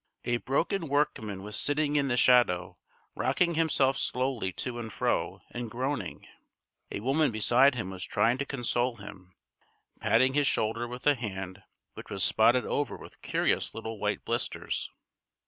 A broken workman was sitting in the shadow, rocking himself slowly to and fro, and groaning. A woman beside him was trying to console him, patting his shoulder with a hand which was spotted over with curious little white blisters.